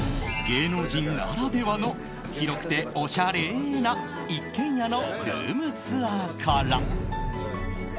芸能人ならではの広くておしゃれな一軒家のルームツアーから。